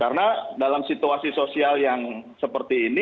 karena dalam situasi sosial yang seperti ini